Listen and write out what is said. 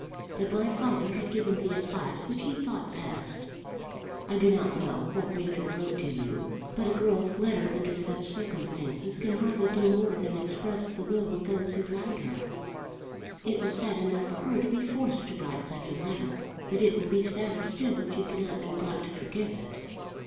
But my father had given the advice which he thought best. I do not know what Rachel wrote to you, but a girl's letter under such circumstances can hardly do more than express the will of those who guide her. It was sad enough for her to be forced to write such a letter, but it will be sadder still if you cannot be brought to forgive it."